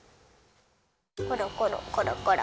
コロコロコロコロ。